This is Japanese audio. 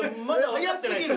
早すぎる！